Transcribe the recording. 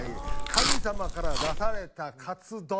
神様から出されたカツ丼。